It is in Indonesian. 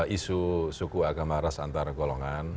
isu suku agama ras antara golongan